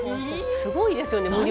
すごいですよね。